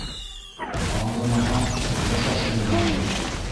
Алдамаһа, йәшә шуның менән!